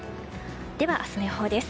では明日の予報です。